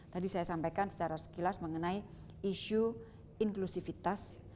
tadi saya sampaikan secara sekilas mengenai isu inklusivitas